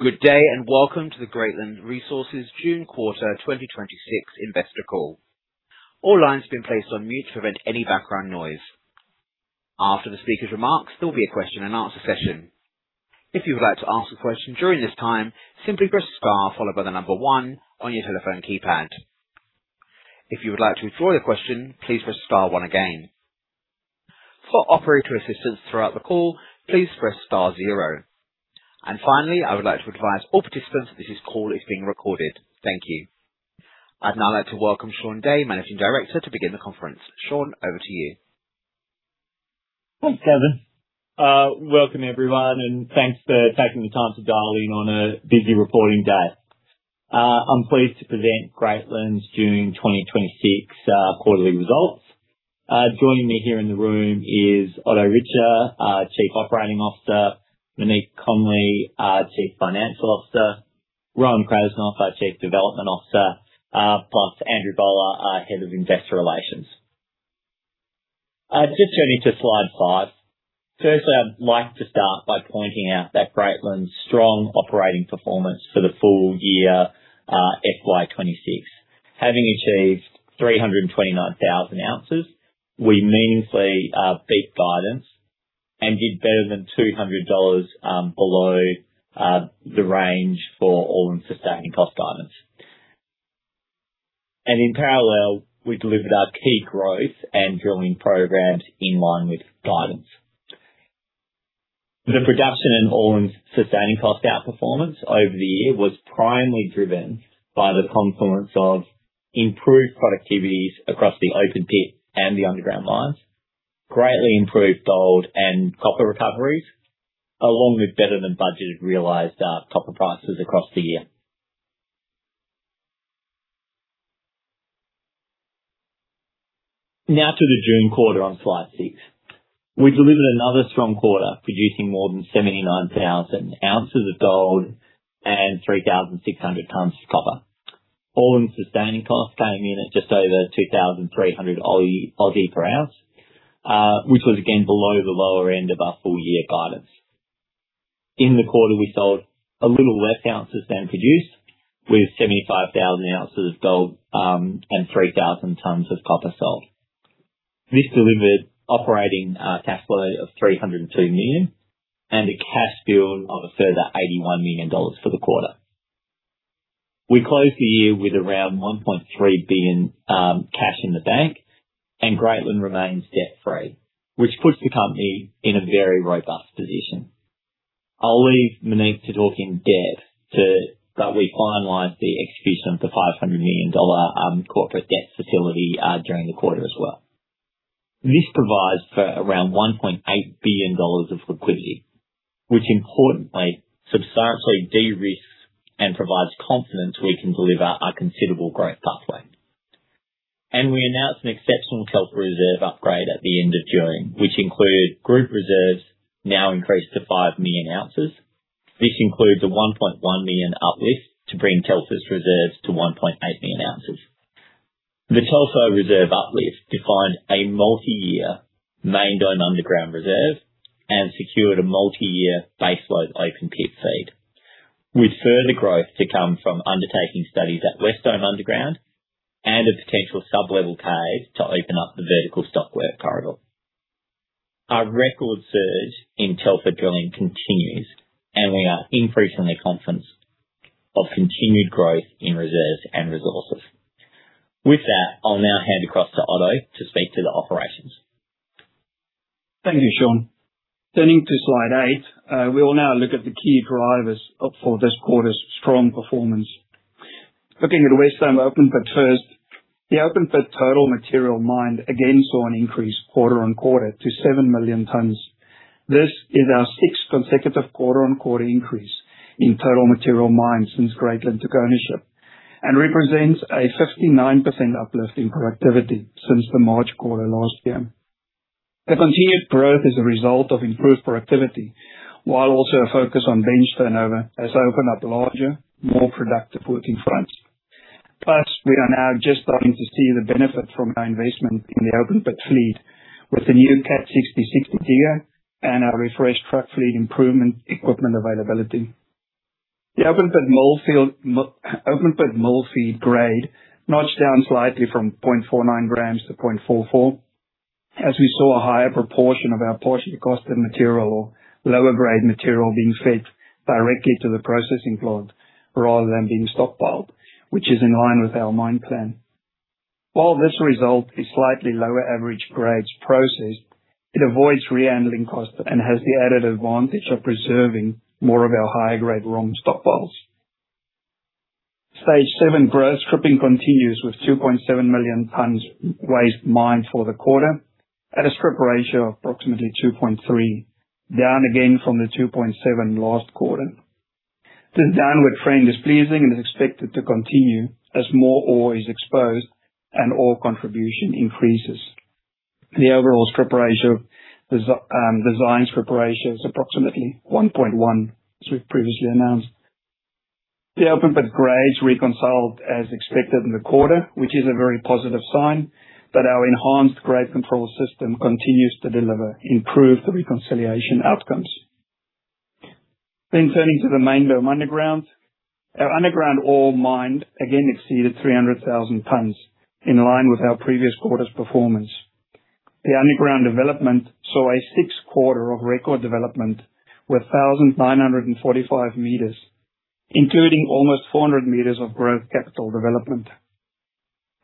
Good day, welcome to the Greatland Resources June quarter 2026 investor call. All lines have been placed on mute to prevent any background noise. After the speaker's remarks, there'll be a question and answer session. If you would like to ask a question during this time, simply press star followed by the number one on your telephone keypad. If you would like to withdraw your question, please press star one again. For operator assistance throughout the call, please press star zero. Finally, I would like to advise all participants that this call is being recorded. Thank you. I'd now like to welcome Shaun Day, Managing Director, to begin the conference. Shaun, over to you. Thanks, Kevin. Welcome, everyone, thanks for taking the time to dial in on a busy reporting day. I'm pleased to present Greatland's June 2026 quarterly results. Joining me here in the room is Otto Richter, Chief Operating Officer, Monique Connolly, Chief Financial Officer, Rowan Krasnoff, our Chief Development Officer, plus Andrew Bowler, our Head of Investor Relations. Just turning to slide five. Firstly, I'd like to start by pointing out that Greatland's strong operating performance for the full year, FY 2026, having achieved 329,000 oz, we meaningfully beat guidance and did better than 200 dollars below the range for All-In Sustaining Cost guidance. In parallel, we delivered our key growth and drilling programs in line with guidance. The production and All-In Sustaining Cost outperformance over the year was primarily driven by the confluence of improved productivities across the open pit and the underground mines, greatly improved gold and copper recoveries, along with better-than-budgeted realized copper prices across the year. Now to the June quarter on slide six. We delivered another strong quarter, producing more than 79,000 oz of gold and 3,600 tons of copper. All-In Sustaining Cost came in at just over 2,300 per ounce, which was again below the lower end of our full-year guidance. In the quarter, we sold a little less ounces than produced, with 75,000 oz of gold and 3,500 tons of copper sold. This delivered operating cash flow of AUD 302 million and a cash build of a further AUD 81 million for the quarter. We closed the year with around AUD 1.3 billion cash in the bank, Greatland remains debt-free, which puts the company in a very robust position. I'll leave Monique to talk in depth, we finalized the execution of the 500 million dollar corporate debt facility during the quarter as well. This provides for around 1.8 billion dollars of liquidity, which importantly, substantially de-risks and provides confidence we can deliver our considerable growth pathway. We announced an exceptional Telfer reserve upgrade at the end of June, which include group reserves now increased to 5 million ounces. This includes a 1.1 million uplift to bring Telfer's reserves to 1.8 million ounces. The Telfer reserve uplift defined a multiyear Main Dome Underground reserve and secured a multiyear baseload open pit feed, with further growth to come from undertaking studies at West Dome Underground and a potential sublevel cave to open up the vertical stockwork corridor. Our record surge in Telfer drilling continues, and we are increasingly confident of continued growth in reserves and resources. With that, I'll now hand across to Otto to speak to the operations. Thank you, Shaun. Turning to slide eight, we will now look at the key drivers up for this quarter's strong performance. Looking at the West Dome Open Pit first, the open pit total material mined again saw an increase quarter-on-quarter to 7 million tons. This is our sixth consecutive quarter-on-quarter increase in total material mined since Greatland took ownership and represents a 59% uplift in productivity since the March quarter last year. The continued growth is a result of improved productivity, while also a focus on bench turnover has opened up larger, more productive working fronts. We are now just starting to see the benefit from our investment in the open pit fleet with the new Cat 6060 digger and our refreshed truck fleet improvement equipment availability. The open pit mill feed grade notched down slightly from 0.49 g to 0.44 g. We saw a higher proportion of our partially costed material or lower grade material being fed directly to the processing plant rather than being stockpiled, which is in line with our mine plan. This result is slightly lower average grades processed, it avoids rehandling costs and has the added advantage of preserving more of our higher grade ROM stockpiles. Stage 7 growth stripping continues with 2.7 million tons waste mined for the quarter at a strip ratio of approximately 2.3 million tons, down again from the 2.7 million tons last quarter. This downward trend is pleasing and is expected to continue as more ore is exposed and ore contribution increases. The overall strip ratio, design strip ratio, is approximately 1.1, as we've previously announced. The open pit grades reconciled as expected in the quarter, which is a very positive sign that our enhanced grade control system continues to deliver improved reconciliation outcomes. Turning to the Main Dome Underground. Our underground ore mined again exceeded 300,000 tons, in line with our previous quarter's performance. The underground development saw a sixth quarter of record development with 1,945 m, including almost 400 m of growth capital development.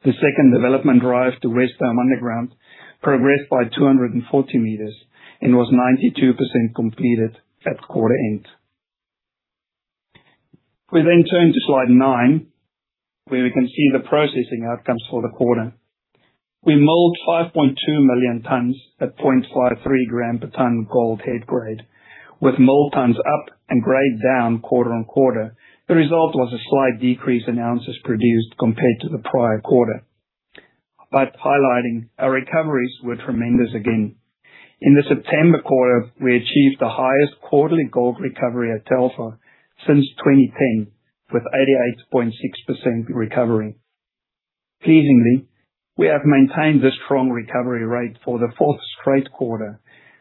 The second development drive to West Dome Underground progressed by 240 m and was 92% completed at quarter end. We turn to slide nine, where we can see the processing outcomes for the quarter. We milled 5.2 million tons at 0.53 g per ton gold head grade, with milled tons up and grade down quarter-on-quarter. The result was a slight decrease in ounces produced compared to the prior quarter. By highlighting, our recoveries were tremendous again. In the September quarter, we achieved the highest quarterly gold recovery at Telfer since 2010, with 88.6% recovery. Pleasingly, we have maintained this strong recovery rate for the fourth straight quarter,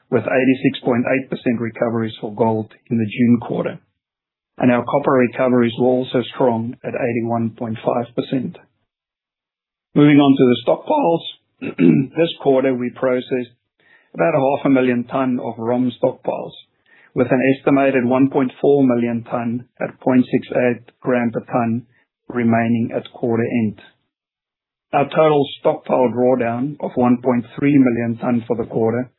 with 86.8% recoveries for gold in the June quarter. Our copper recoveries were also strong at 81.5%. Moving on to the stockpiles. This quarter, we processed about a 0.5 million tons of ROM stockpiles, with an estimated 1.4 million tons at 0.68 g per ton remaining at quarter end. Our total stockpile drawdown of 1.3 million tons for the quarter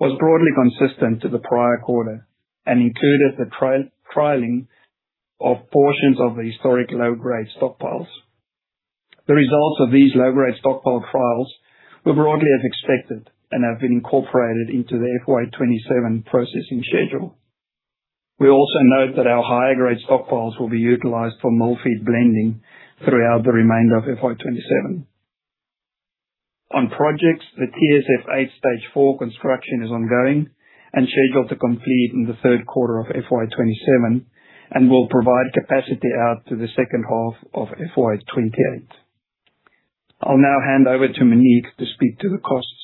was broadly consistent to the prior quarter and included the trialing of portions of the historic low-grade stockpiles. The results of these low-grade stockpile trials were broadly as expected and have been incorporated into the FY 2027 processing schedule. We also note that our higher grade stockpiles will be utilized for mill feed blending throughout the remainder of FY 2027. On projects, the TSF8 Stage 4 construction is ongoing and scheduled to complete in the third quarter of FY 2027 and will provide capacity out to the second half of FY 2028. I'll now hand over to Monique to speak to the costs.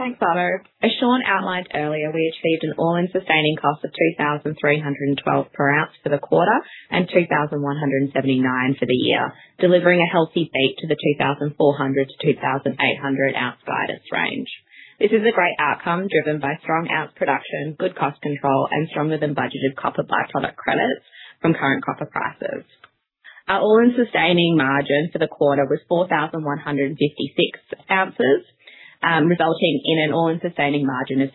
Thanks, Otto. As Shaun outlined earlier, we achieved an all-in sustaining cost of 2,312 per ounce for the quarter and 2,179 for the year, delivering a healthy beat to the 2,400-2,800 ounce guidance range. This is a great outcome driven by strong ounce production, good cost control, and stronger than budgeted copper by-product credits from current copper prices. Our all-in sustaining margin for the quarter was 4,156 ounces, resulting in an all-in sustaining margin of 64%.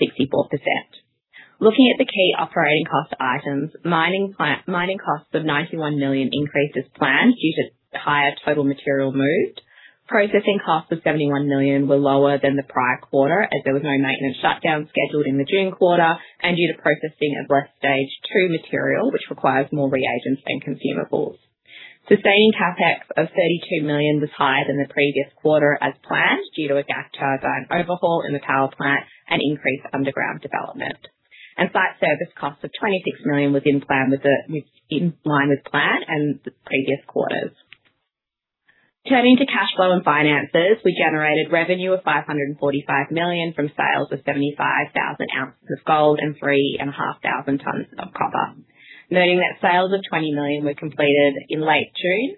Looking at the key operating cost items, mining costs of 91 million increased as planned due to higher total material moved. Processing costs of 71 million were lower than the prior quarter as there was no maintenance shutdown scheduled in the June quarter and due to processing of less Stage 2 material, which requires more reagents and consumables. Sustaining CapEx of 32 million was higher than the previous quarter as planned, due to a gas turbine overhaul in the power plant and increased underground development. Site service cost of 26 million was in line with plan and the previous quarters. Turning to cash flow and finances. We generated revenue of 545 million from sales of 75,000 oz of gold and 3,500 tons of copper. Noting that sales of 20 million were completed in late June,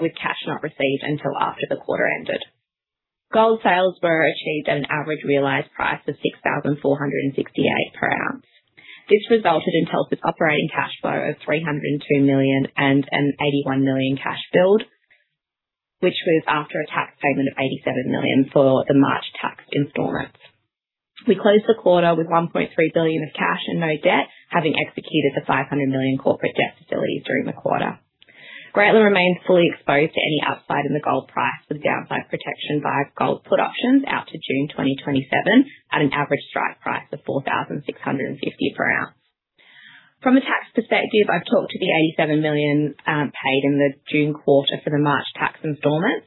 with cash not received until after the quarter ended. Gold sales were achieved at an average realized price of 6,468 per ounce. This resulted in Telfer's operating cash flow of 302 million and an 81 million cash build, which was after a tax payment of 87 million for the March tax installments. We closed the quarter with 1.3 billion of cash and no debt, having executed the 500 million corporate debt facilities during the quarter. Greatland Resources remains fully exposed to any upside in the gold price with downside protection via gold put options out to June 2027 at an average strike price of 4,650 per ounce. From a tax perspective, I've talked to the 87 million paid in the June quarter for the March tax installments.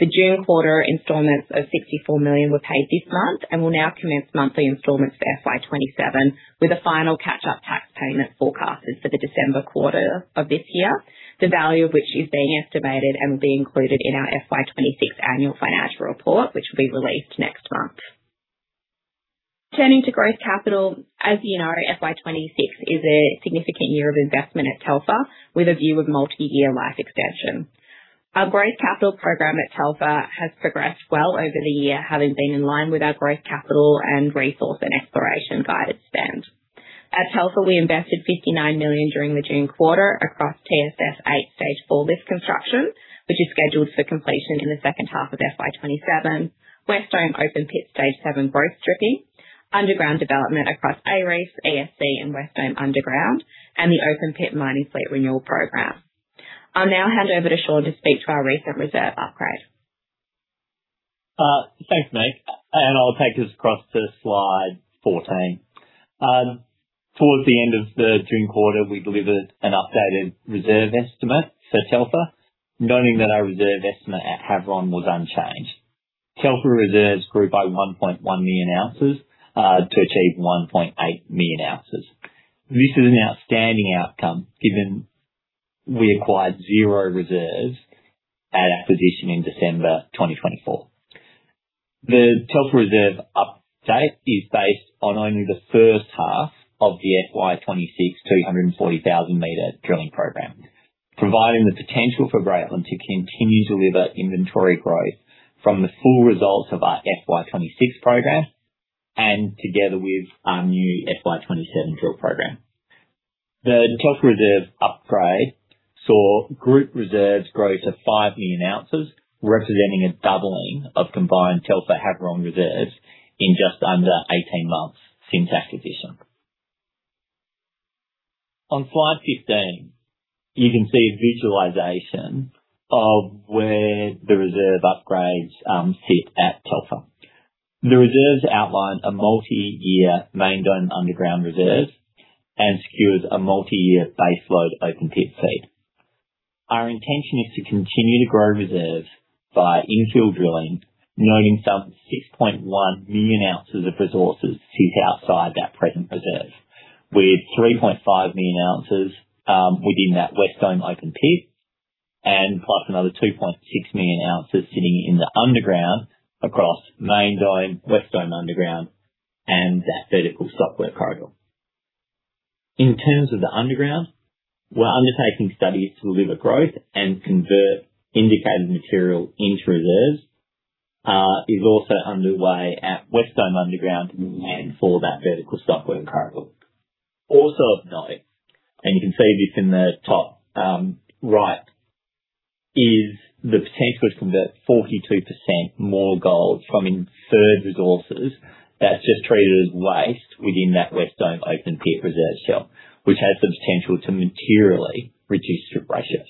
The June quarter installments of AUD 64 million were paid this month and will now commence monthly installments for FY 2027 with a final catch-up tax payment forecasted for the December quarter of this year. The value of which is being estimated and will be included in our FY 2026 annual financial report, which will be released next month. Turning to growth capital. As you know, FY 2026 is a significant year of investment at Telfer with a view of multi-year life extension. Our growth capital program at Telfer has progressed well over the year, having been in line with our growth capital and resource and exploration guided spend. At Telfer, we invested 59 million during the June quarter across TSF8 Stage 4 lift construction, which is scheduled for completion in the second half of FY 2027. West Dome Open Pit Stage 7 growth stripping, underground development across A-Reef, ESC, and West Dome Underground, and the open pit mining fleet renewal program. I'll now hand over to Shaun to speak to our recent reserve upgrade. Thanks, Monique. I'll take us across to slide 14. Towards the end of the June quarter, we delivered an updated reserve estimate for Telfer, noting that our reserve estimate at Havieron was unchanged. Telfer reserves grew by 1.1 million ounces to achieve 1.8 million ounces. This is an outstanding outcome given we acquired zero reserves at acquisition in December 2024. The Telfer reserve update is based on only the first half of the FY 2026, 240,000 m drilling program, providing the potential for Greatland to continue to deliver inventory growth from the full results of our FY 2026 program and together with our new FY 2027 drill program. The Telfer reserve upgrade saw group reserves grow to 5 million ounces, representing a doubling of combined Telfer-Havieron reserves in just under 18 months since acquisition. On slide 15, you can see a visualization of where the reserve upgrades sit at Telfer. The reserves outline a multi-year Main Dome Underground reserve and secures a multi-year baseload open pit feed. Our intention is to continue to grow reserve by infill drilling, noting some 6.1 million ounces of resources sit outside that present reserve. With 3.5 million ounces within that West Dome Open Pit and plus another 2.6 million ounces sitting in the underground across Main Dome, West Dome Underground, and that vertical stockwork corridor. In terms of the underground, we are undertaking studies to deliver growth and convert indicated material into reserves, is also underway at West Dome Underground and for that vertical stockwork corridor. Also of note, and you can see this in the top, right, is the potential to convert 42% more gold from inferred resources that is just treated as waste within that West Dome Open Pit reserve shell, which has the potential to materially reduce strip ratios.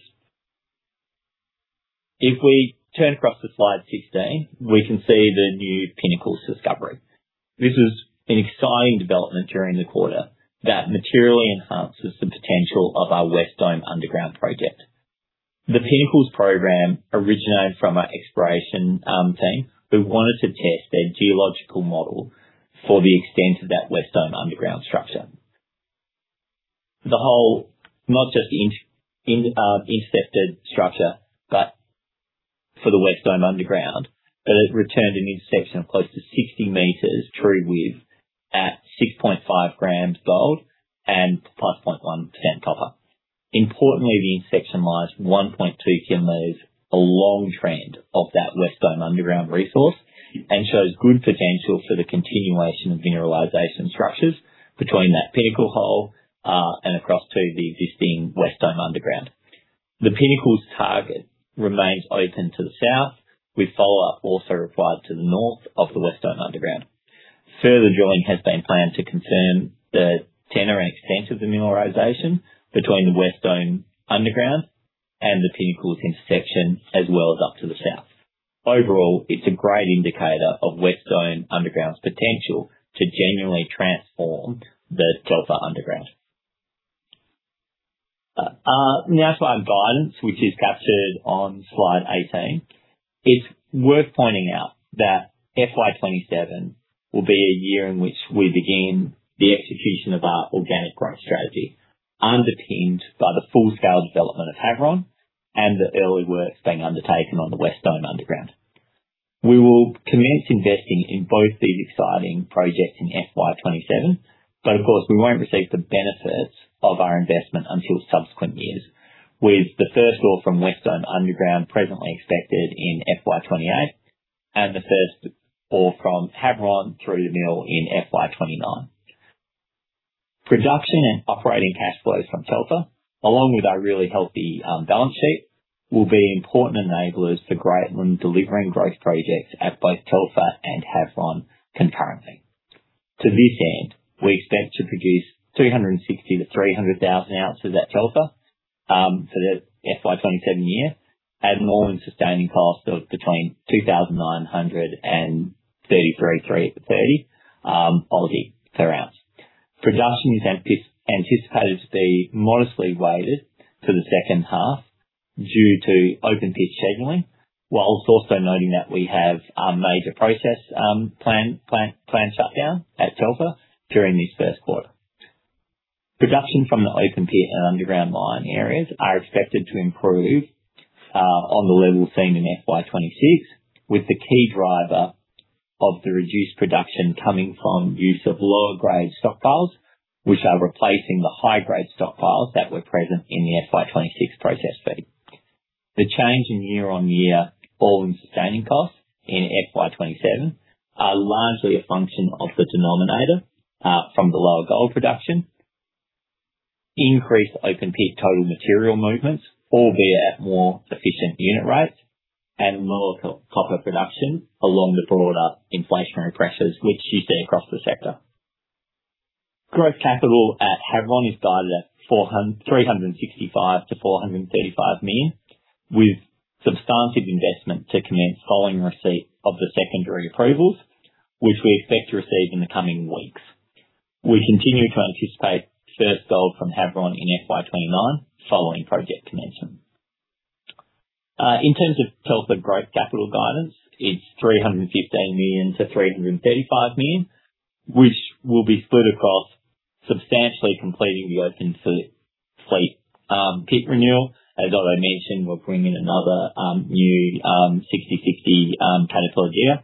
If we turn across to slide 16, we can see the new Pinnacles discovery. This is an exciting development during the quarter that materially enhances the potential of our West Dome Underground project. The Pinnacles program originated from our exploration team, who wanted to test their geological model for the extent of that West Dome Underground structure. The hole, not just the intercepted structure, but for the West Dome Underground, that has returned an intersection of close to 60 m true width at 6.5 g gold and plus 0.1% copper. Importantly, the intersection lies 1.2 km along trend of that West Dome Underground resource and shows good potential for the continuation of mineralization structures between that Pinnacle hole and across to the existing West Dome Underground. The Pinnacles target remains open to the south with follow-up also applied to the north of the West Dome Underground. Further drilling has been planned to confirm the tenor and extent of the mineralization between the West Dome Underground and the Pinnacles intersection, as well as up to the south. Overall, it is a great indicator of West Dome Underground's potential to genuinely transform the Telfer underground. Now to our guidance, which is captured on slide 18. It is worth pointing out that FY 2027 will be a year in which we begin the execution of our organic growth strategy, underpinned by the full-scale development of Havieron and the early works being undertaken on the West Dome Underground. We will commence investing in both these exciting projects in FY 2027. Of course, we will not receive the benefits of our investment until subsequent years. With the first ore from West Dome Underground presently expected in FY 2028 and the first ore from Havieron through the mill in FY 2029. Production and operating cash flows from Telfer, along with our really healthy balance sheet, will be important enablers for Greatland delivering growth projects at both Telfer and Havieron concurrently. To this end, we expect to produce 260,000 oz-310,000 oz at Telfer, for the FY 2027 year at an all-in sustaining cost of between 2,933-3,330 per ounce. Production is anticipated to be modestly weighted to the second half due to open pit scheduling, whilst also noting that we have a major process, planned shutdown at Telfer during this first quarter. Production from the open pit and underground mining areas are expected to improve on the levels seen in FY 2026, with the key driver of the reduced production coming from use of lower grade stockpiles, which are replacing the high grade stockpiles that were present in the FY 2026 process feed. The change in year-on-year all-in sustaining costs in FY 2027 are largely a function of the denominator, from the lower gold production, increased open pit total material movements, albeit at more efficient unit rates, and lower copper production along with broader inflationary pressures which you see across the sector. Growth capital at Havieron is guided at 365 million-435 million, with substantive investment to commence following receipt of the secondary approvals, which we expect to receive in the coming weeks. We continue to anticipate first gold from Havieron in FY 2029 following project commencement. In terms of Telfer growth capital guidance, it's 315 million-335 million, which will be split across substantially completing the open fleet pit renewal. As Otto mentioned, we'll bring in another new 6060 [inaudible] digger.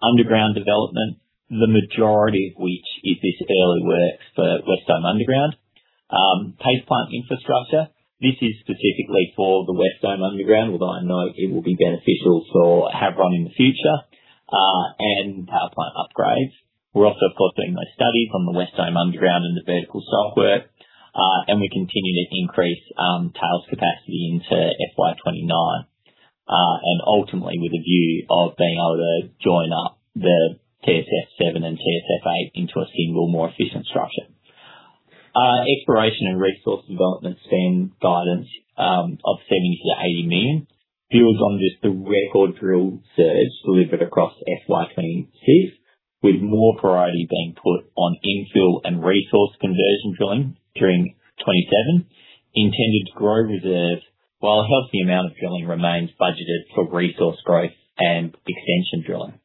Underground development, the majority of which is this early works for West Dome Underground. Paste plant infrastructure. This is specifically for the West Dome Underground, although I know it will be beneficial for Havieron in the future, and power plant upgrades. We're also, of course, doing those studies on the West Dome Underground and the vertical stockwork. We continue to increase tails capacity into FY 2029, and ultimately with a view of being able to join up the TSF7 and TSF8 into a single more efficient structure. Exploration and resource development spend guidance of 70 million-80 million builds on just the record drill surge delivered across FY 2026, with more priority being put on infill and resource conversion drilling during 2027. Intended to grow reserve while a healthy amount of drilling remains budgeted for resource growth and extension drilling.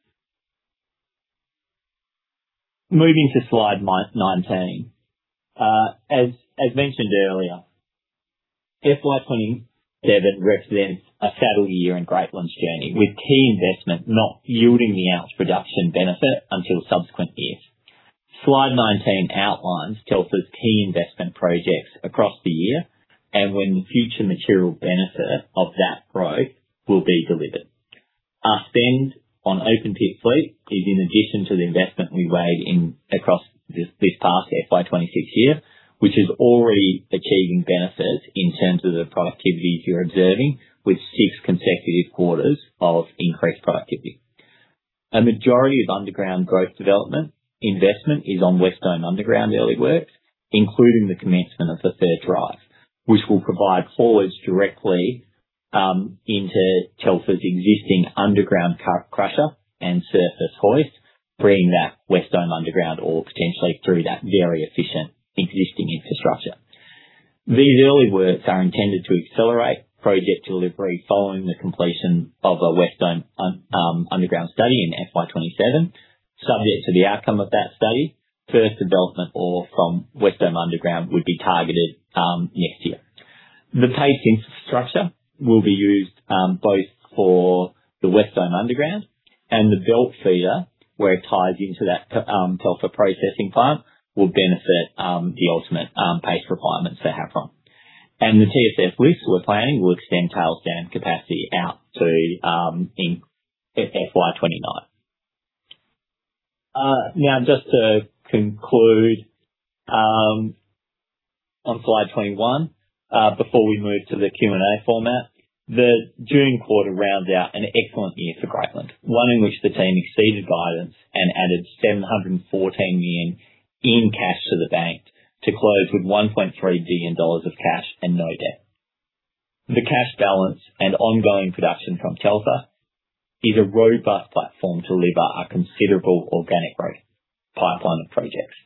Moving to slide 19. As mentioned earlier, FY 2027 represents a saddle year in Greatland's journey, with key investment not yielding the ounce production benefit until subsequent years. Slide 19 outlines Telfer's key investment projects across the year and when the future material benefit of that growth will be delivered. Our spend on open pit fleet is in addition to the investment we made across this past FY 2026 year, which is already achieving benefits in terms of the productivity you're observing with six consecutive quarters of increased productivity. A majority of underground growth development investment is on West Dome Underground early works, including the commencement of the third drive, which will provide haulage directly into Telfer's existing underground crusher and surface hoist, bringing that West Dome Underground ore potentially through that very efficient existing infrastructure. These early works are intended to accelerate project delivery following the completion of a West Dome Underground study in FY 2027. Subject to the outcome of that study, first development ore from West Dome Underground would be targeted next year. The paste infrastructure will be used both for the West Dome Underground and the belt feeder, where it ties into that Telfer processing plant, will benefit the ultimate paste requirements for Havieron. The TSF lifts we're planning will extend tails dam capacity out to FY 2029. Now, just to conclude on slide 21 before we move to the Q&A format. The June quarter rounds out an excellent year for Greatland. One in which the team exceeded guidance and added 714 million in cash to the bank to close with 1.3 billion dollars of cash and no debt. The cash balance and ongoing production from Telfer is a robust platform to lever our considerable organic growth pipeline of projects.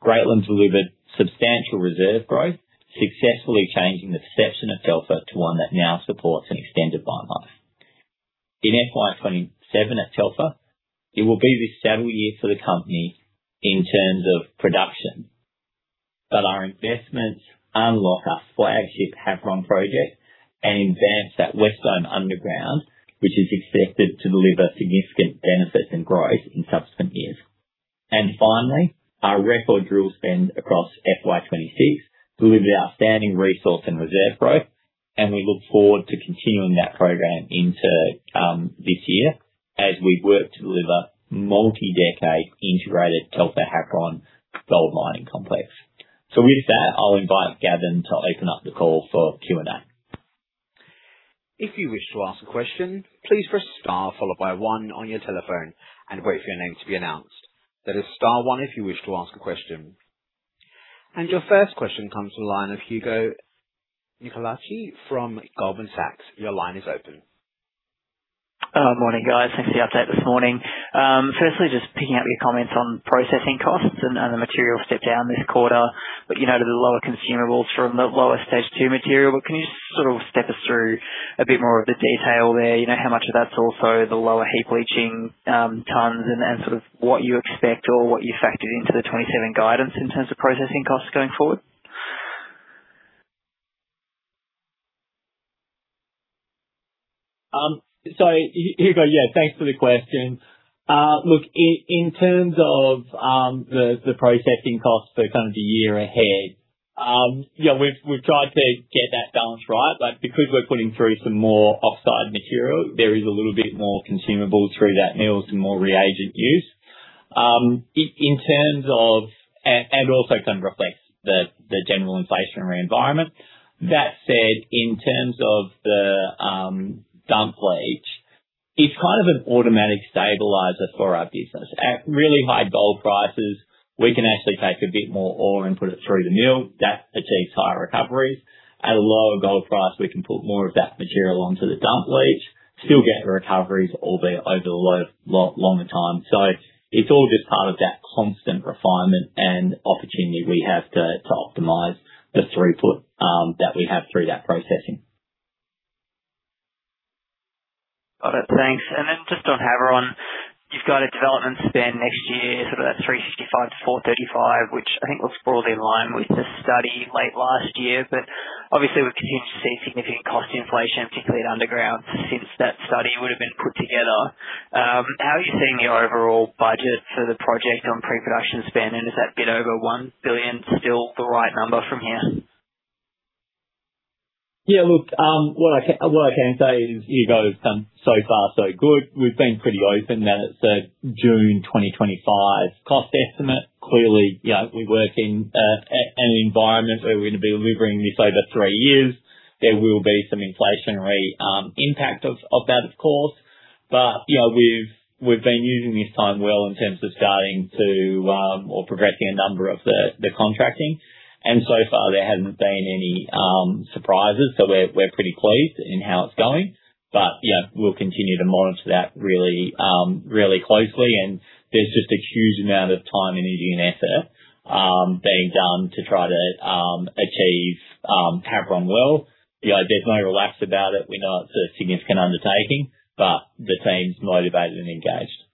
Greatland's delivered substantial reserve growth, successfully changing the perception of Telfer to one that now supports an extended mine life. In FY 2027 at Telfer, it will be this saddle year for the company in terms of production. Our investments unlock our flagship Havieron project and advance that West Dome Underground, which is expected to deliver significant benefits and growth in subsequent years. Finally, our record drill spend across FY 2026 delivered outstanding resource and reserve growth, and we look forward to continuing that program into this year as we work to deliver multi-decade integrated Telfer-Havieron gold mining complex. With that, I'll invite Kevin to open up the call for Q&A. If you wish to ask a question, please press star followed by one on your telephone and wait for your name to be announced. That is star one if you wish to ask a question. Your first question comes from the line of Hugo Nicolaci from Goldman Sachs. Your line is open. Morning, guys. Thanks for the update this morning. Firstly, just picking up your comments on processing costs and the material step down this quarter, but to the lower consumables from the lower Stage 2 material, but can you just sort of step us through a bit more of the detail there? How much of that's also the lower heap leaching tons and, sort of what you expect or what you factored into the 2027 guidance in terms of processing costs going forward? Hugo, yeah, thanks for the question. In terms of the processing costs for kind of the year ahead. We've tried to get that balance right. Because we're putting through some more oxide material, there is a little bit more consumable through that mill, some more reagent use. Also kind of reflects the general inflationary environment. That said, in terms of the dump leach, it's kind of an automatic stabilizer for our business. At really high gold prices, we can actually take a bit more ore and put it through the mill. That achieves higher recoveries. At a lower gold price, we can put more of that material onto the dump leach. Still get recoveries, albeit over a longer time. It's all just part of that constant refinement and opportunity we have to optimize the throughput that we have through that processing. Got it. Thanks. Then just on Havieron, you've got a development spend next year, sort of that 365 million-435 million, which I think looks broadly in line with the study late last year. Obviously, we've continued to see significant cost inflation, particularly at underground, since that study would've been put together. How are you seeing the overall budget for the project on pre-production spend? Is that bit over 1 billion still the right number from here? What I can say is year to go has done so far so good. We've been pretty open that it's a June 2025 cost estimate. Clearly, we work in an environment where we're going to be delivering this over three years. There will be some inflationary impact of that, of course. We've been using this time well in terms of progressing a number of the contracting. So far there hasn't been any surprises, so we're pretty pleased in how it's going. We'll continue to monitor that really closely. There's just a huge amount of time and energy and effort being done to try to achieve Havieron well. There's no relax about it. We know it's a significant undertaking, but the team's motivated and engaged.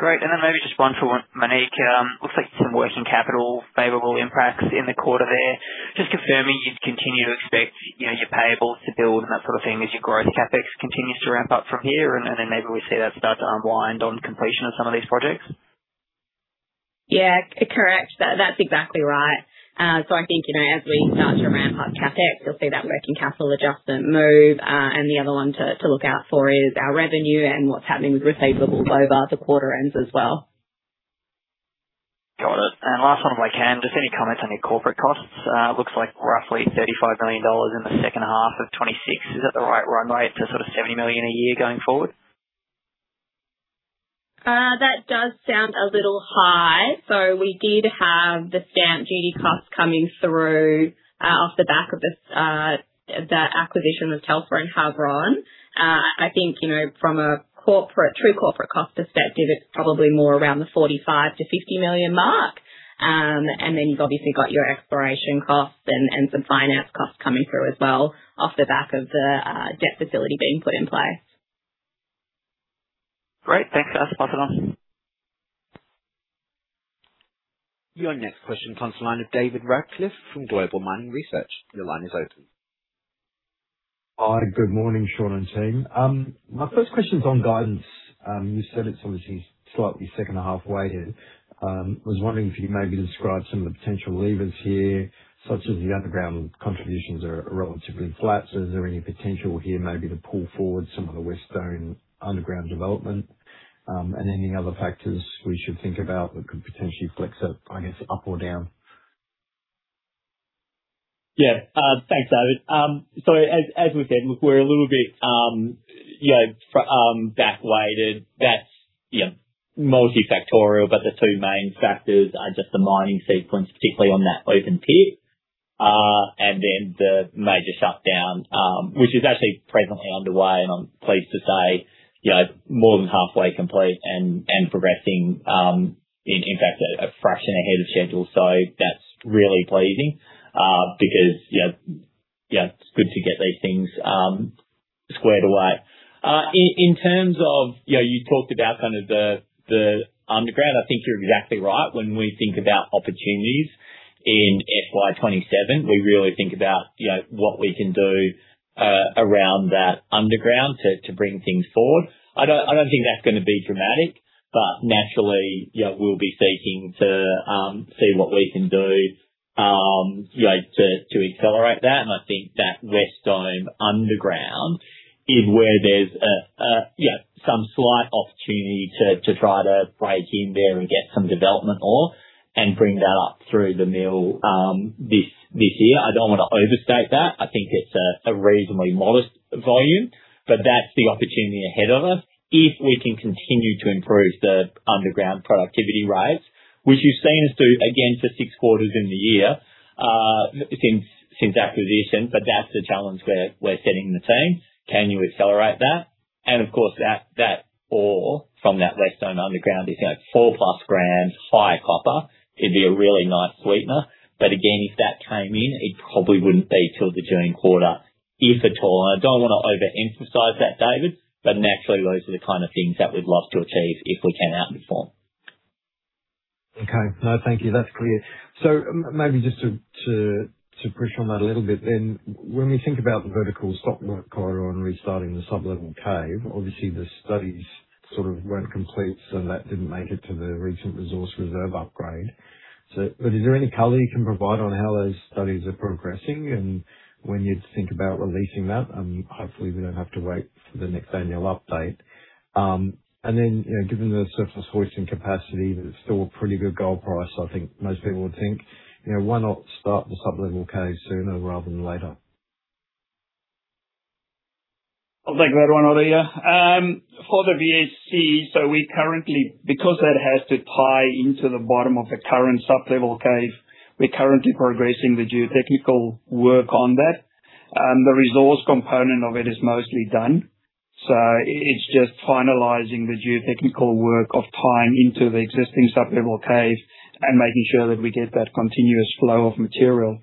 Great. Then maybe just one for Monique. Looks like some working capital favorable impacts in the quarter there. Just confirming you'd continue to expect your payables to build and that sort of thing as your growth CapEx continues to ramp up from here, and then maybe we see that start to unwind on completion of some of these projects. Correct. That's exactly right. I think, as we start to ramp up CapEx, you'll see that working capital adjustment move. The other one to look out for is our revenue and what's happening with receivables over the quarter ends as well. Got it. Last one, if I can, just any comments on your corporate costs? Looks like roughly 35 million dollars in the second half of 2026. Is that the right run rate to sort of 70 million a year going forward? That does sound a little high. We did have the stamp duty costs coming through, off the back of that acquisition with Telfer and Havieron. I think from a true corporate cost perspective, it's probably more around the 45 million-50 million mark. Then you've obviously got your exploration costs and some finance costs coming through as well off the back of the debt facility being put in place. Great. Thanks. I'll pass it on. Your next question comes from the line of David Radclyffe from Global Mining Research. Your line is open. Hi, good morning, Shaun and team. My first question is on guidance. You said it's obviously slightly second half weighted. Was wondering if you maybe describe some of the potential levers here, such that the underground contributions are relatively flat. Is there any potential here maybe to pull forward some of the West Dome Underground development? Any other factors we should think about that could potentially flex it, I guess, up or down? Yeah. Thanks, David. As we said, look, we're a little bit back weighted. That's multifactorial, but the two main factors are just the mining sequence, particularly on that open pit. Then the major shutdown, which is actually presently underway, and I'm pleased to say, more than halfway complete and progressing, in fact, a fraction ahead of schedule. That's really pleasing, because it's good to get these things squared away. In terms of, you talked about kind of the underground, I think you're exactly right. When we think about opportunities in FY 2027, we really think about what we can do around that underground to bring things forward. I don't think that's going to be dramatic, but naturally, we'll be seeking to see what we can do to accelerate that. I think that West Dome Underground is where there's some slight opportunity to try to break in there and get some development ore and bring that up through the mill this year. I don't want to overstate that. I think it's a reasonably modest volume, but that's the opportunity ahead of us if we can continue to improve the underground productivity rates, which you've seen us do again for six quarters in the year since acquisition. That's the challenge we're setting the team. Can you accelerate that? Of course, that ore from that West Dome Underground is 4+ g high copper. It'd be a really nice sweetener. Again, if that came in, it probably wouldn't be till the June quarter, if at all. I don't want to overemphasize that, David, naturally, those are the kind of things that we'd love to achieve if we can outperform. Okay. No, thank you. That's clear. Maybe just to push on that a little bit then. When we think about the vertical stockwork corridor and restarting the sublevel cave, obviously the studies sort of weren't complete, that didn't make it to the recent resource reserve upgrade. Is there any color you can provide on how those studies are progressing and when you'd think about releasing that? Hopefully, we don't have to wait for the next annual update. Then, given the surface hoisting capacity, there's still a pretty good gold price, I think most people would think. Why not start the sublevel cave sooner rather than later? I'll take that one, David. For the [SLC], we currently, because that has to tie into the bottom of the current sublevel cave. We're currently progressing the geotechnical work on that. The resource component of it is mostly done. It's just finalizing the geotechnical work of tying into the existing sublevel cave and making sure that we get that continuous flow of material.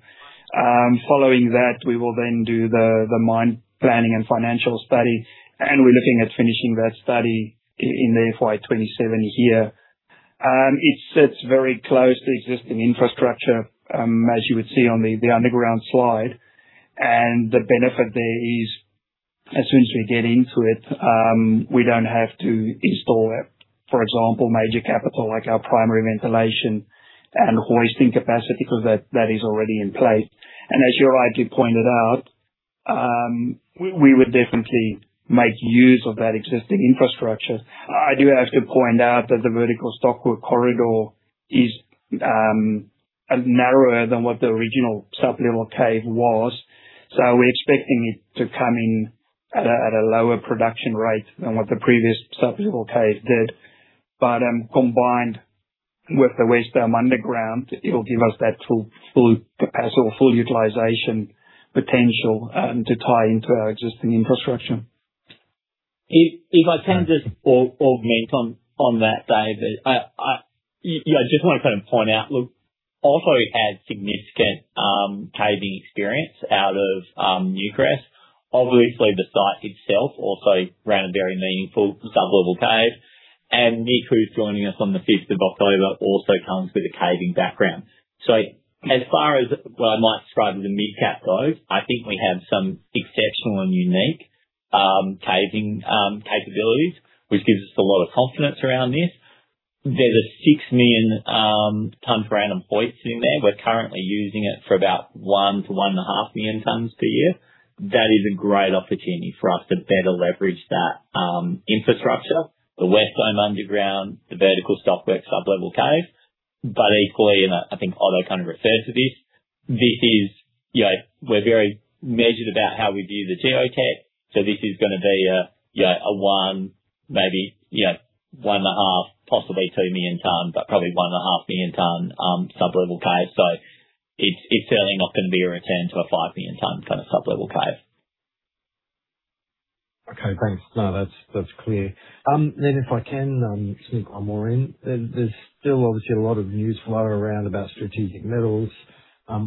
Following that, we will then do the mine planning and financial study, we're looking at finishing that study in the FY 2027 year. It sits very close to existing infrastructure, as you would see on the underground slide. The benefit there is, as soon as we get into it, we don't have to install, for example, major capital like our primary ventilation and hoisting capacity because that is already in place. As you rightly pointed out, we would definitely make use of that existing infrastructure. I do have to point out that the vertical stockwork corridor is narrower than what the original sublevel cave was. We're expecting it to come in at a lower production rate than what the previous sublevel cave did. Combined with the West Dome Underground, it will give us that full capacity or full utilization potential to tie into our existing infrastructure. If I can just augment on that, David. I just want to point out, look, Otto had significant caving experience out of Newcrest. Obviously, the site itself also ran a very meaningful sublevel cave. Nick, who's joining us on the 5th of October, also comes with a caving background. As far as what I might describe as a mid-cap goes, I think we have some exceptional and unique caving capabilities, which gives us a lot of confidence around this. There's a 6 million tons capacity in there. We're currently using it for about 1 million tons-1.5 million tons per year. That is a great opportunity for us to better leverage that infrastructure, the West Dome Underground, the vertical stockwork sublevel cave. Equally, and I think Otto kind of referred to this, we're very measured about how we view the geotech. This is going to be a 1 million tons, maybe 1.5 million tons, possibly 2 million ton, but probably 1.5 million ton, sublevel cave. It's certainly not going to be a return to a 5 million ton kind of sublevel cave. Okay, thanks. No, that's clear. If I can sneak one more in. There's still obviously a lot of news flow around about strategic metals. I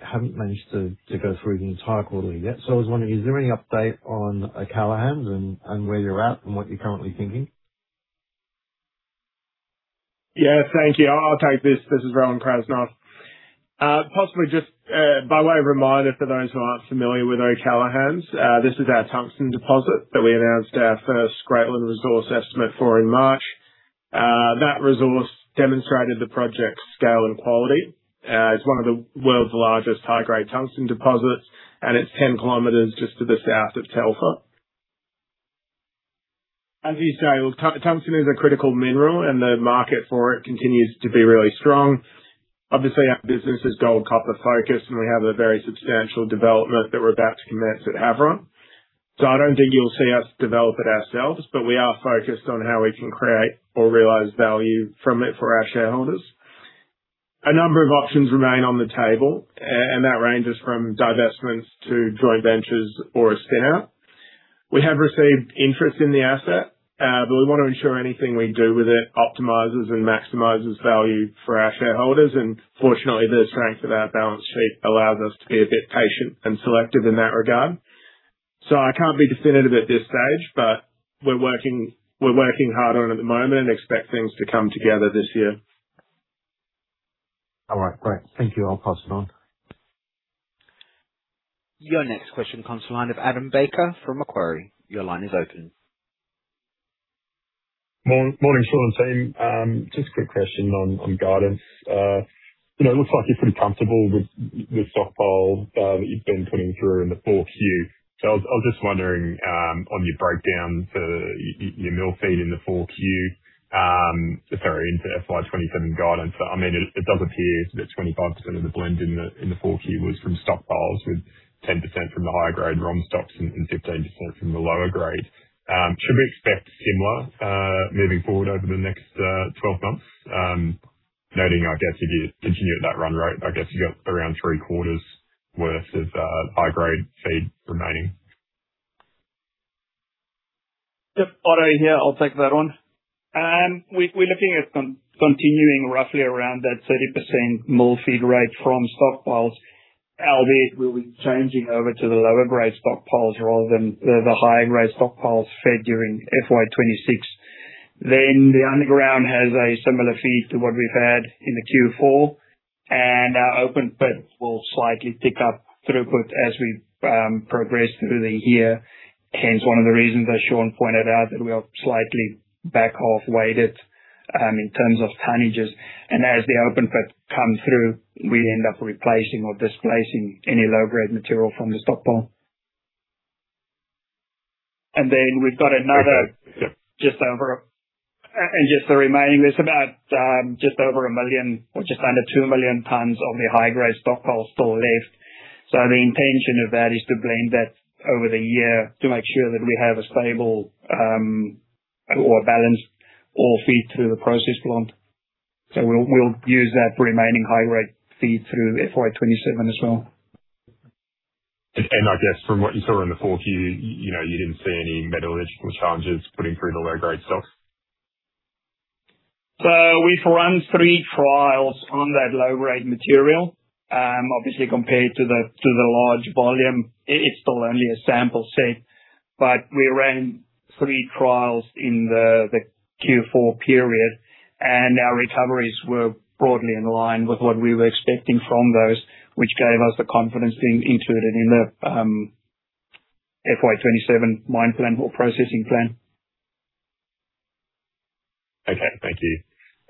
haven't managed to go through the entire quarterly yet. I was wondering, is there any update on O'Callaghans and where you're at and what you're currently thinking? Yeah, thank you. I'll take this. This is Rowan Krasnoff. Possibly just by way of reminder for those who aren't familiar with O'Callaghans, this is our tungsten deposit that we announced our first Greatland resource estimate for in March. That resource demonstrated the project's scale and quality. It's one of the world's largest high-grade tungsten deposits, and it's 10 km just to the south of Telfer. As you say, look, tungsten is a critical mineral, and the market for it continues to be really strong. Obviously, our business is gold, copper focused, and we have a very substantial development that we're about to commence at Havieron. I don't think you'll see us develop it ourselves, but we are focused on how we can create or realize value from it for our shareholders. A number of options remain on the table, that ranges from divestments to joint ventures or a spin-out. We have received interest in the asset, we want to ensure anything we do with it optimizes and maximizes value for our shareholders. Fortunately, the strength of our balance sheet allows us to be a bit patient and selective in that regard. I can't be definitive at this stage, but we're working hard on it at the moment and expect things to come together this year. All right, great. Thank you. I'll pass it on. Your next question comes to line of Adam Baker from Macquarie. Your line is open. Morning, Shaun, team. Just a quick question on guidance. It looks like you're pretty comfortable with the stockpile that you've been putting through in the 4Q. I was just wondering, on your breakdown for your mill feed in the 4Q, the FY 2027 guidance. It does appear that 25% of the blend in the 4Q was from stockpiles, with 10% from the higher grade ROM stocks and 15% from the lower grade. Should we expect similar moving forward over the next 12 months? Noting, I guess, if you continue at that run rate, I guess you got around three-quarters worth of high-grade feed remaining. Yep. Otto here. I'll take that on. We're looking at continuing roughly around that 30% mill feed rate from stockpiles. Albeit, we'll be changing over to the lower grade stockpiles rather than the high-grade stockpiles fed during FY 2026. The underground has a similar feed to what we've had in the Q4, and our open pit will slightly tick up throughput as we progress through the year. Hence, one of the reasons that Shaun pointed out that we are slightly back half-weighted in terms of tonnages. As the open pit comes through, we end up replacing or displacing any low-grade material from the stockpile. We've got another just over 1 million or just under 2 million tons of the high-grade stockpile still left. The intention of that is to blend that over the year to make sure that we have a stable or a balanced ore feed through the process plant. We'll use that remaining high-grade feed through FY 2027 as well. I guess from what you saw in the 4Q, you didn't see any metallurgical challenges putting through the low-grade stuff? We've run three trials on that low-grade material. Obviously, compared to the large volume, it's still only a sample set. We ran three trials in the Q4 period, and our recoveries were broadly in line with what we were expecting from those, which gave us the confidence being included in the FY 2027 mine plan or processing plan. Okay. Thank you.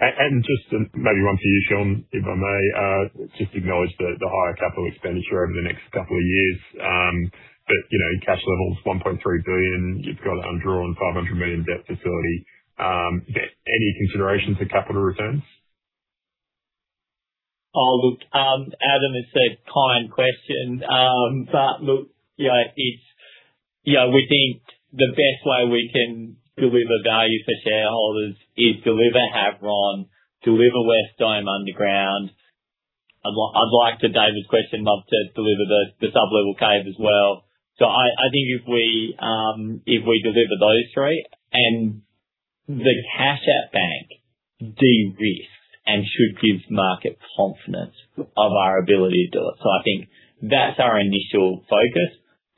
Just maybe one for you, Shaun, if I may. Just acknowledge the higher capital expenditure over the next couple of years, but cash levels, 1.3 billion, you've got undrawn 500 million debt facility. Any considerations for capital returns? Adam has said kind question. We think the best way we can deliver value for shareholders is deliver Havieron, deliver West Dome Underground. I'd like, to David's question, love to deliver the sublevel cave as well. I think if we deliver those three and the cash at bank de-risk and should give market confidence of our ability to do it. I think that's our initial focus.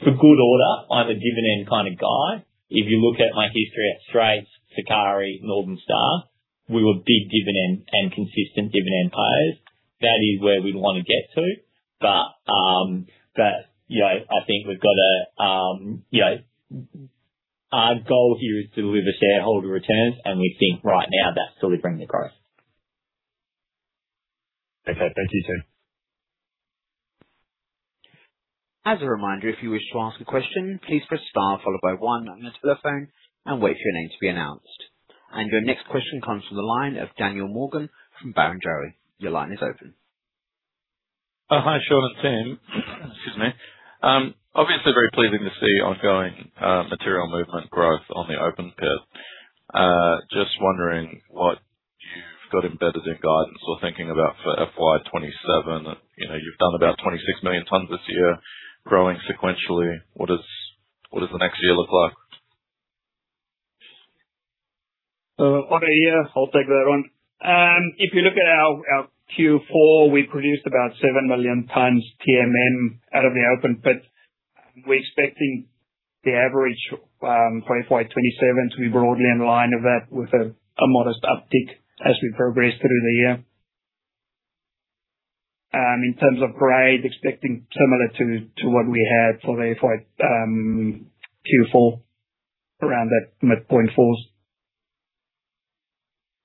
For good order, I'm a dividend kind of guy. If you look at my history at Straits, Sakari, Northern Star, we were big dividend and consistent dividend payers. That is where we'd want to get to. Our goal here is deliver shareholder returns, and we think right now that's delivering the growth. Okay. Thank you, Shaun. As a reminder, if you wish to ask a question, please press star followed by one on your telephone and wait for your name to be announced. Your next question comes from the line of Daniel Morgan from Barrenjoey. Your line is open. Hi, Shaun and team. Excuse me. Very pleasing to see ongoing material movement growth on the open pit. Wondering what you've got embedded in guidance or thinking about for FY 2027. You've done about 26 million tons this year, growing sequentially. What does the next year look like? Otto here. I'll take that one. If you look at our Q4, we produced about seven million tons TMM out of the open pit. We're expecting the average for FY 2027 to be broadly in line with that with a modest uptick as we progress through the year. In terms of grade, expecting similar to what we had for the FY Q4, around that mid point fours.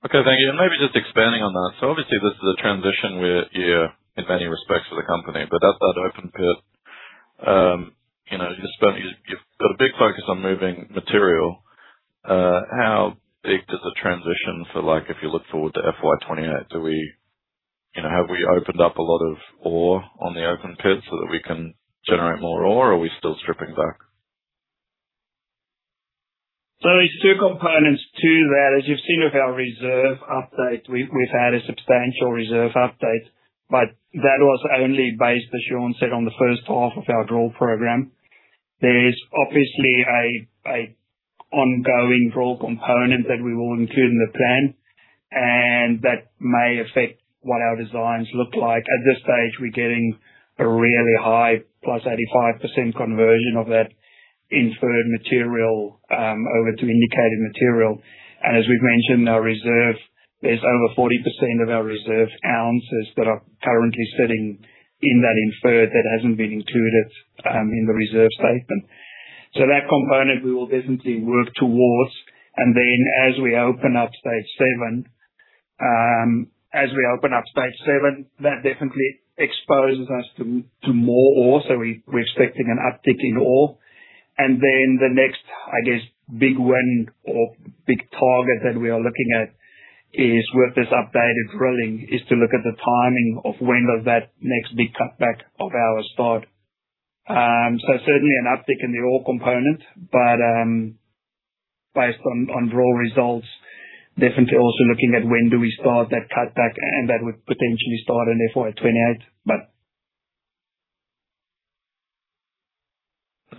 Okay, thank you. Maybe just expanding on that. This is a transition year in many respects for the company, but that open pit, you've got a big focus on moving material. How big does the transition for like if you look forward to FY 2028, have we opened up a lot of ore on the open pit so that we can generate more ore, or are we still stripping back? There's two components to that. As you've seen with our reserve update, we've had a substantial reserve update, but that was only based, as Shaun said, on the first half of our drill program. There's obviously an ongoing draw component that we will include in the plan, and that may affect what our designs look like. At this stage, we're getting a really high +85% conversion of that inferred material over to indicated material. As we've mentioned, our reserve, there's over 40% of our reserve ounces that are currently sitting in that inferred that hasn't been included in the reserve statement. That component we will definitely work towards. As we open up Stage 7, that definitely exposes us to more ore, so we're expecting an uptick in ore. The next, I guess, big win or big target that we are looking at is with this updated drilling, is to look at the timing of when does that next big cutback of ours start. Certainly an uptick in the ore component, based on raw results, definitely also looking at when do we start that cutback, and that would potentially start in FY 2028.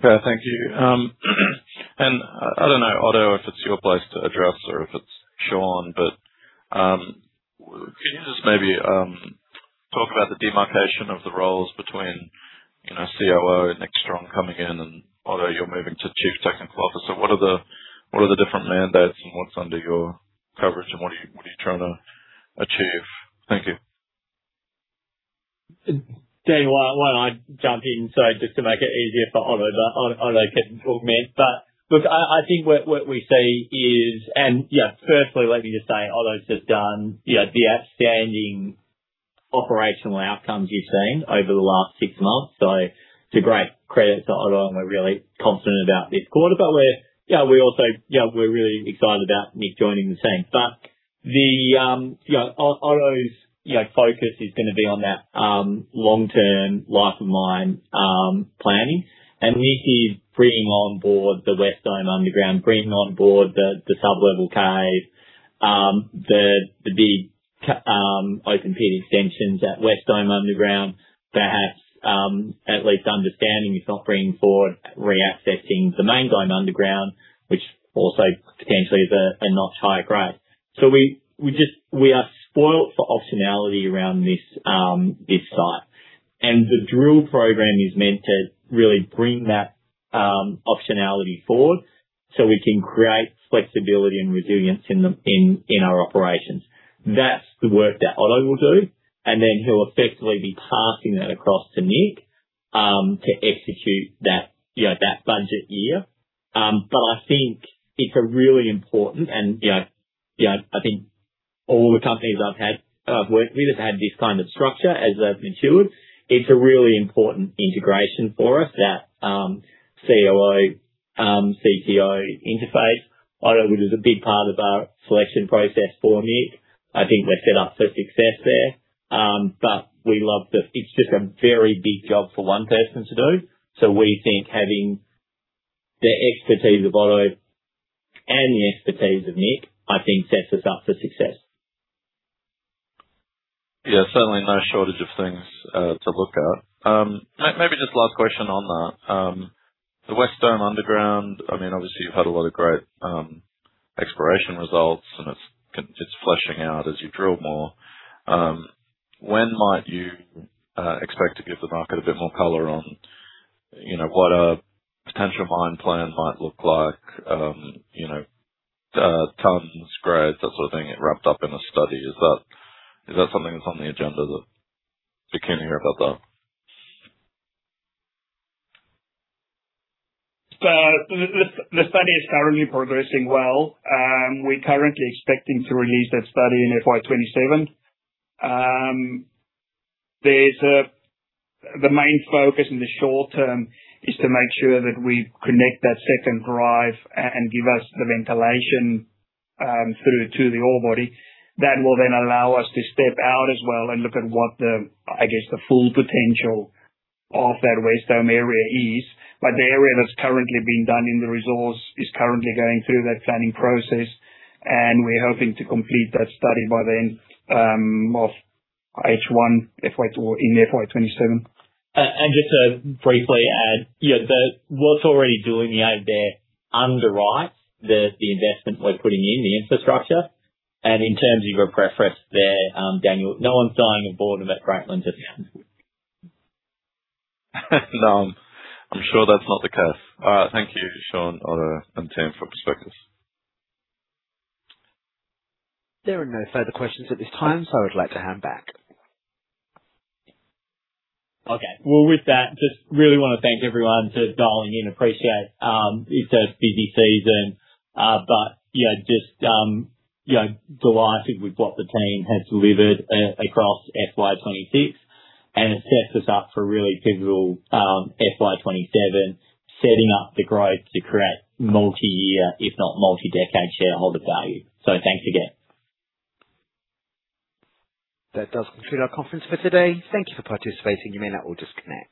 Okay, thank you. I don't know, Otto, if it's your place to address or if it's Shaun, can you just maybe talk about the demarcation of the roles between COO, Nick Strong coming in and, Otto, you're moving to Chief Technical Officer. What are the different mandates and what's under your coverage and what are you trying to achieve? Thank you. Daniel, why don't I jump in, just to make it easier for Otto can augment. Otto's just done the outstanding operational outcomes you've seen over the last six months. It's a great credit to Otto, and we're really confident about this quarter. We're really excited about Nick joining the team. Otto's focus is going to be on that long-term life and mine planning. This is bringing on board the West Dome Underground, bringing on board the sublevel cave, the big open pit extensions at West Dome Underground. Perhaps, at least understanding, if not bringing forward, reaccessing the Main Dome Underground, which also potentially is a notch higher grade. We are spoiled for optionality around this site. The drill program is meant to really bring that optionality forward so we can create flexibility and resilience in our operations. That's the work that Otto will do, he'll effectively be passing that across to Nick, to execute that budget year. I think it's a really important, and I think all the companies I've worked with have had this kind of structure as they've matured. It's a really important integration for us that COO-CTO interface. Otto was a big part of our selection process for Nick. I think they're set up for success there. It's just a very big job for one person to do, we think having the expertise of Otto and the expertise of Nick, I think sets us up for success. Certainly no shortage of things to look at. Maybe just last question on that. The West Dome Underground, obviously you've had a lot of great exploration results and it's fleshing out as you drill more. When might you expect to give the market a bit more color on what a potential mine plan might look like? Tons, grades, that sort of thing, wrapped up in a study. Is that something that's on the agenda that we can hear about that? The study is currently progressing well. We're currently expecting to release that study in FY 2027. The main focus in the short term is to make sure that we connect that second drive and give us the ventilation through to the ore body. That will then allow us to step out as well and look at what the full potential of that West Dome area is. The area that's currently being done in the resource is currently going through that planning process, and we're hoping to complete that study by the end of H1 in FY 2027. Just to briefly add, what's already doing out there underwrites the investment we're putting in, the infrastructure. In terms of your preference there, Daniel, no one's dying of boredom at Greatland just yet. I'm sure that's not the case. All right. Thank you, Shaun, Otto, and the team for the prospectus. There are no further questions at this time. I would like to hand back. Okay. Well, with that, just really want to thank everyone for dialing in. Appreciate it's a busy season. Just delighted with what the team has delivered across FY 2026 and it sets us up for a really pivotal FY 2027, setting up the growth to create multi-year, if not multi-decade, shareholder value. Thanks again. That does conclude our conference for today. Thank you for participating. You may now all disconnect.